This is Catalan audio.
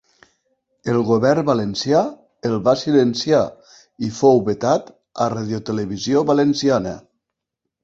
El govern valencià el va silenciar i fou vetat a Radiotelevisió Valenciana.